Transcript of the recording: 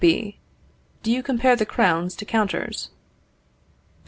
B. Do you compare the crowns to counters?